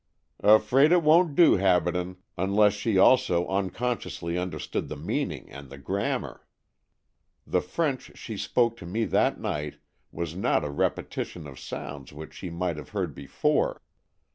" Afraid it won't do, Habaden, unless she also unconsciously understood the meaning and the grammar. The French she spoke to me that night was not a repetition of sounds which she might have heard before.